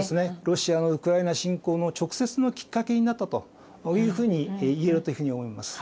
ロシアのウクライナ侵攻の直接のきっかけになったというふうに言えるというふうに思います。